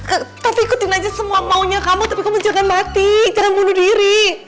eh tapi ikutin aja semua maunya kamu tapi kamu jangan mati jangan bunuh diri